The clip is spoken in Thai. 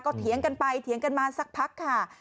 เถียงกันไปเถียงกันมาสักพักค่ะ